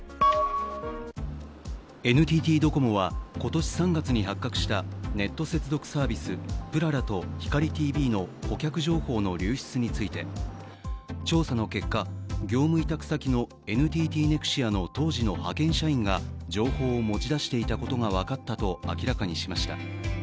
ＮＴＴドコモは今年３月に発覚したネット接続サービス、ぷららとひかりＴＶの顧客情報の流出について調査の結果、業務委託先のＮＴＴネクシアの当時の派遣社員が情報を持ち出していたことが分かったと明らかにしました。